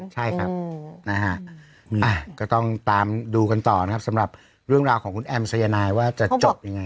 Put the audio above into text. ใช่ครับนะฮะก็ต้องตามดูกันต่อนะครับสำหรับเรื่องราวของคุณแอมสายนายว่าจะจบยังไง